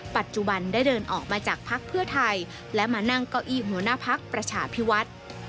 ปัจจุบันได้เดินออกมาจากภักดิ์เพื่อไทยและมานั่งเก้าอี้หัวหน้าพักประชาพิวัฒน์